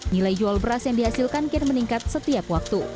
nilai jual beras yang dihasilkan kir meningkat setiap waktu